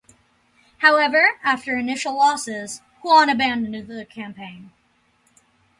However, after initial losses, Huan abandoned the campaign.